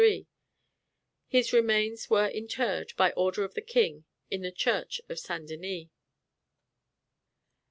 His remains were interred, by order of the king, in the church of St Denis.